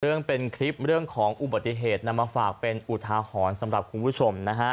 เรื่องเป็นคลิปเรื่องของอุบัติเหตุนำมาฝากเป็นอุทาหรณ์สำหรับคุณผู้ชมนะฮะ